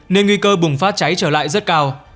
nên nguy cơ bùng phát cháy trở lại rất cao